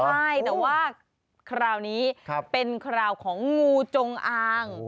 ใช่แต่ว่าคราวนี้เป็นคราวของงูจงอาง